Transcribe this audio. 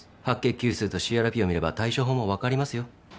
白血球数とＣＲＰを見れば対処法もわかりますよ。